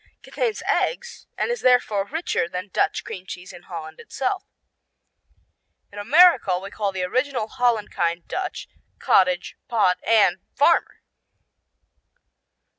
Contains eggs, and is therefore richer than Dutch cream cheese in Holland itself. In America we call the original Holland kind Dutch, cottage, pot, and farmer.